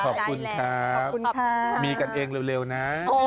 ขอบคุณครับมีกันเองเร็วนะ